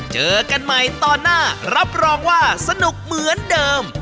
เจอกันใหม่ต่อหน้ารับรองว่าสนุกเหมือนเดิม